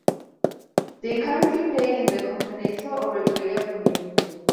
They currently play in the Campeonato Uruguayo Femenino.